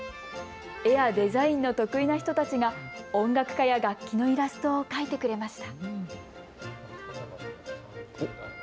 絵やデザインの得意な人たちが音楽家や楽器のイラストを描いてくれました。